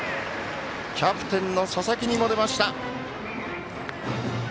キャプテンの佐々木にも出ました。